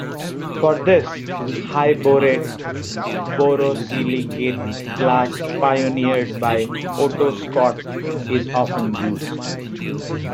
For this, high-borate borosilicate glass pioneered by Otto Schott is often used.